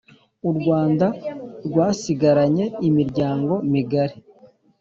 urwanda rwasigaranye imiryango migari